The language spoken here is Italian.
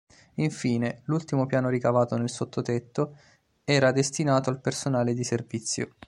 Infine, l'ultimo piano ricavato nel sottotetto, era destinato al personale di servizio.